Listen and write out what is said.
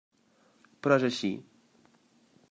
Però és així.